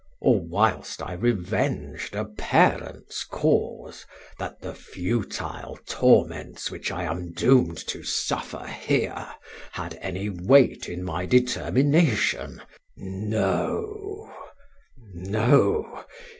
or whilst I revenged a parent's cause, that the futile torments which I am doomed to suffer here, had any weight in my determination? No no.